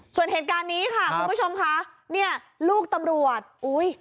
ส่วนเหตุการณ์นี้ค่ะคุณผู้ชมค่ะเนี่ยลูกตำรวจอุ้ย